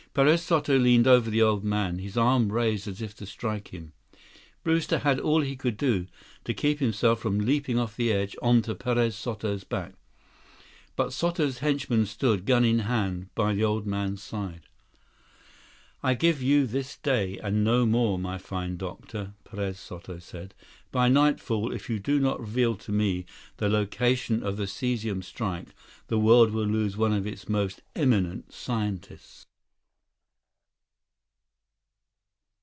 Perez Soto leaned over the old man, his arm raised as if to strike him. Brewster had all he could do to keep himself from leaping off the ledge onto Perez Soto's back. But Soto's henchman stood, gun in hand, by the old man's side. "I give you this day, and no more, my fine doctor," Perez Soto said. "By nightfall, if you do not reveal to me the location of the cesium strike, the world will lose one of its most eminent scientists!"